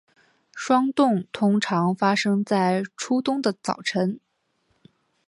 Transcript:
霜冻通常发生在初冬的早晨。